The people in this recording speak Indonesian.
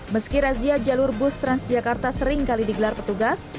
meski razia jalur bus transjakarta seringkali digelar petugas